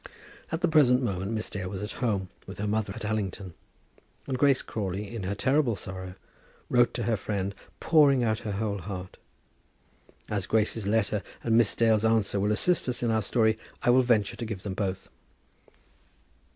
At the present moment Miss Dale was at home with her mother at Allington, and Grace Crawley in her terrible sorrow wrote to her friend, pouring out her whole heart. As Grace's letter and Miss Dale's answer will assist us in our story, I will venture to give them both.